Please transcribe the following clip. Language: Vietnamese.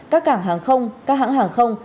các cảng hàng không các hãng hàng không